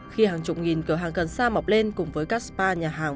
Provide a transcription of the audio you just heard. khi hàng chục nghìn cửa hàng cần sa mọc lên cùng với các spa nhà hàng